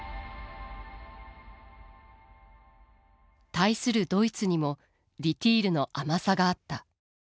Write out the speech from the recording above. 対するドイツにもディティールの甘さがあった。